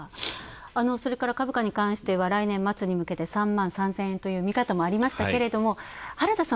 それから株価に関しては来年末に向け、３万３０００円という見方もありましたけど、原田さん。